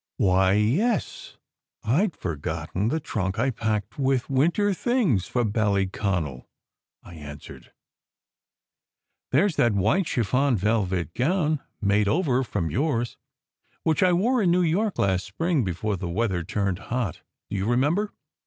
"Why, yes, I d forgotten the trunk I packed up with winter things for Ballyconal," I answered. "There s that SECRET HISTORY 269 white chiffon velvet gown, made over from yours, which I wore in New York last spring before the weather turned hot. Do you remember?